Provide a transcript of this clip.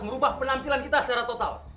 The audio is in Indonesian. merubah penampilan kita secara total